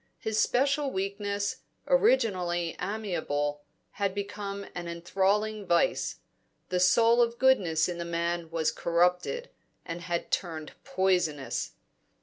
His special weakness, originally amiable, had become an enthralling vice; the soul of goodness in the man was corrupted, and had turned poisonous.